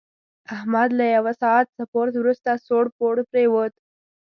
احمد له یوه ساعت سپورت ورسته سوړ پوړ پرېوت.